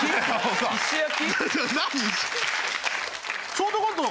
ショートコント